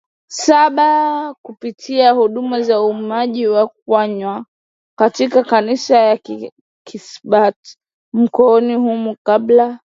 saba kupitia huduma za uimbaji wa kwaya katika Kanisa la Kisabato mkoani humo kabla